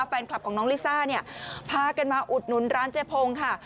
แฟนคลับของน้องลิซ่าเนี่ยพากันมาอุดหนุนร้านเจ๊พงค่ะ